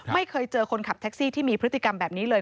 ไม่เคยเจอคนขับแท็กซี่ที่มีพฤติกรรมแบบนี้เลย